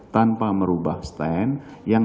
tanpa merubah stand yang